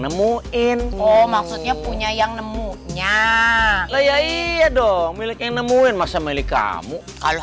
nemuin oh maksudnya punya yang ngerti layar iya dong milik em obligasi leben masuk milik kamu kalau